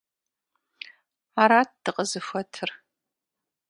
Арат дыкъызыхуэтыр…